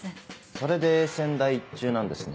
それで英泉大一中なんですね。